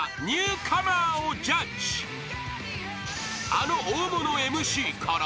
［あの大物ＭＣから］